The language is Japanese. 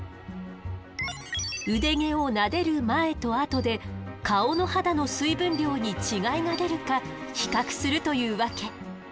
腕毛をなでる前とあとで顔の肌の水分量に違いが出るか比較するというわけ。